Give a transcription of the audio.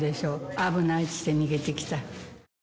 危ないっつって、逃げてきた。